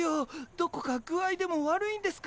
どこか具合でも悪いんですか？